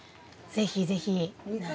ぜひぜひ。